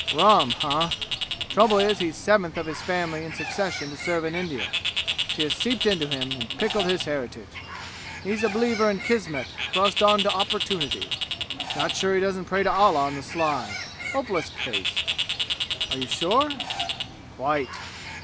"Rum? Huh! Trouble is he's seventh of his family in succession to serve in India. She has seeped into him and pickled his heritage. He's a believer in Kismet crossed on to Opportunity. Not sure he doesn't pray to Allah on the sly! Hopeless case." "Are you sure?" "Quite!"